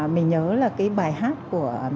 mình nhớ là cái bài hát của